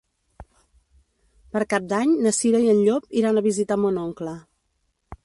Per Cap d'Any na Cira i en Llop iran a visitar mon oncle.